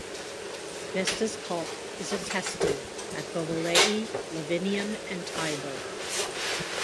Vesta's cult is attested at Bovillae, Lavinium and Tibur.